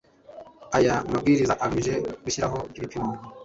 aya mabwiriza agamije gushyiraho ibipimo